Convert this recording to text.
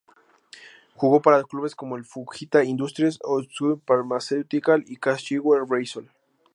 Jugó para clubes como el Fujita Industries, Otsuka Pharmaceutical y Kashiwa Reysol.